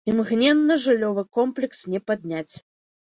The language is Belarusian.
Імгненна жыллёвы комплекс не падняць.